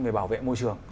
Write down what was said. về bảo vệ môi trường